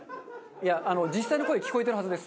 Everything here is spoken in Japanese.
実際の声聞こえてるはずです。